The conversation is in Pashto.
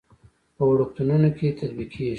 په وړکتونونو کې تطبیقېږي.